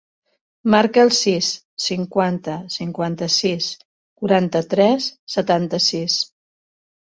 Marca el sis, cinquanta, cinquanta-sis, quaranta-tres, setanta-sis.